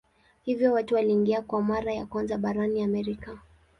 Hivyo watu waliingia kwa mara ya kwanza barani Amerika.